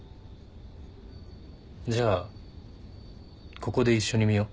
じゃあここで一緒に見よう。